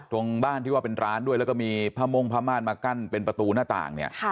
ตรงบ้านที่ว่าเป็นร้านด้วยแล้วก็มีผ้าม่งผ้าม่านมากั้นเป็นประตูหน้าต่างเนี่ย